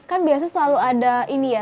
kan biasanya selalu ada ini ya